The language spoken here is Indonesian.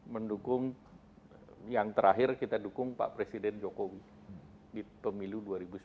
mendukung yang terakhir kita dukung pak presiden jokowi di pemilu dua ribu sembilan belas